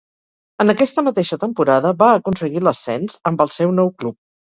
En aquesta mateixa temporada va aconseguir l'ascens amb el seu nou club.